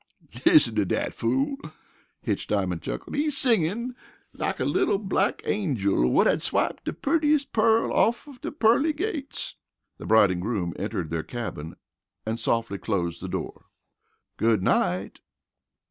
"Listen to dat fool!" Hitch Diamond chuckled. "He's singin' like a little black angel whut had swiped de pearliest pearl offen de pearly gates!" The bride and groom entered their cabin and softly closed the door. Good night!